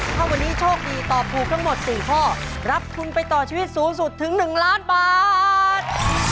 ถ้าวันนี้โชคดีตอบถูกทั้งหมด๔ข้อรับทุนไปต่อชีวิตสูงสุดถึง๑ล้านบาท